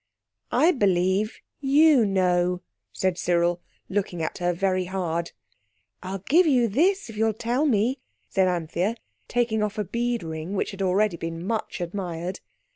"I believe you know," said Cyril, looking at her very hard. "I'll give you this if you'll tell me," said Anthea taking off a bead ring which had already been much admired.